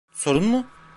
Sorun mu?